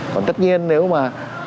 còn tất nhiên nếu mà